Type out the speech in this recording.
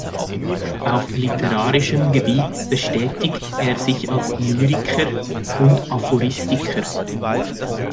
Auf literarischem Gebiet betätigt er sich als Lyriker und Aphoristiker.